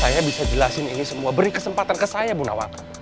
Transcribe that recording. saya bisa jelasin ini semua beri kesempatan ke saya bu nawaka